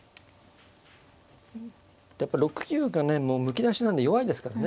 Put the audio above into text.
やっぱ６九がねもうむき出しなんで弱いですからね。